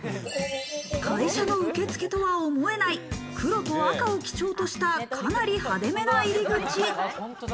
会社の受け付けとは思えない黒と赤を基調としたかなり派手めな入り口。